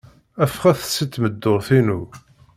Ffɣet seg tmeddurt-inu.